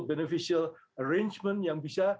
beneficial arrangement yang bisa